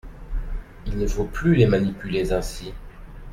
Il ne faut plus les manipuler ainsi.